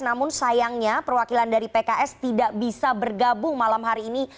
namun sayangnya perwakilan dari pks tidak bisa bergabung malam hari ini